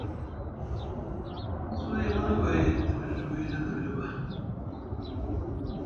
Suwi manavay te miɗiɗi wiɗi adoliyo ɓa.